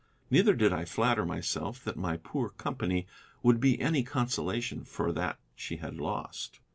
Neither did I flatter myself that my poor company would be any consolation for that she had lost.